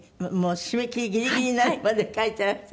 締め切りギリギリになるまで書いていらして。